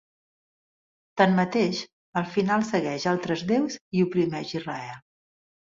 Tanmateix, al final segueix altres déus i oprimeix Israel.